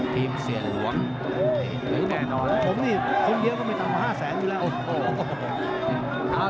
ทีมเสียหลวงผมนี่คนเดียวก็ไม่ต่ำตัว๕แสงอยู่แล้ว